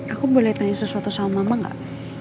aku boleh tanya sesuatu sama mama gak